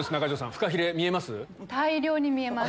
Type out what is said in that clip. フカヒレ見えます？